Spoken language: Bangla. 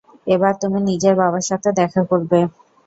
এবার তুমি নিজের বাবার সাথে দেখা করবে!